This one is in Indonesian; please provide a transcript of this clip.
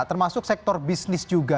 termasuk sektor bisnis juga